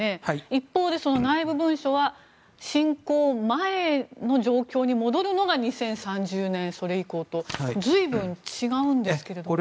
一方で、その内部文書は侵攻前の状況に戻るのが２０３０年それ以降と随分、違うんですけれども。